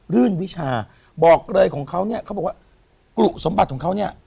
รื่นวิชาบอกเลยของเขาเนี่ยเขาบอกว่ากรุสมบัติของเขาเนี่ย